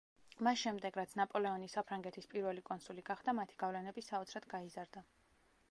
მას შემდეგ, რაც ნაპოლეონი საფრანგეთის პირველი კონსული გახდა მათი გავლენები საოცრად გაიზარდა.